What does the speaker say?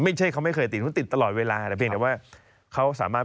ไม่ใช่เขาไม่เคยติดเขาติดตลอดเวลาแต่เพียงแต่ว่าเขาสามารถ